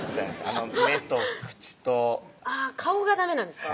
あの目と口とあぁ顔がダメなんですか？